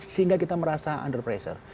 sehingga kita merasa under pressure